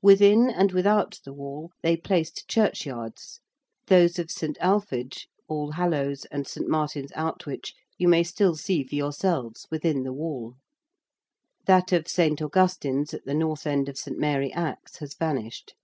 Within and without the Wall they placed churchyards those of St. Alphege, Allhallows, and St. Martin's Outwich, you may still see for yourselves within the Wall: that of St. Augustine's at the north end of St. Mary Axe, has vanished.